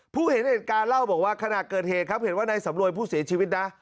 ผู้เห็นเหตุการณ์เล่าบอกว่าขณะเกิดเหตุครับเห็นว่าในสำรวยผู้เสียชีวิตนะ